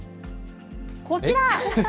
こちら。